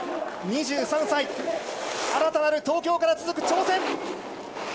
２３歳、新たなる東京から続く挑戦。